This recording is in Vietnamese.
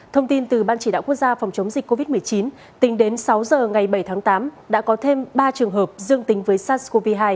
thông tin từ ban chỉ đạo quốc gia phòng chống dịch covid một mươi chín tính đến sáu giờ ngày bảy tháng tám đã có thêm ba trường hợp dương tính với sars cov hai